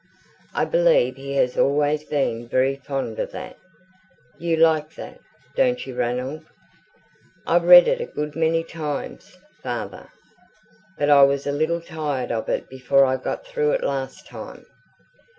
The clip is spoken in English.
I believe he has always been very fond of that. You like that don't you, Ranald?" "I've read it a good many times, father. But I was a little tired of it before I got through it last time."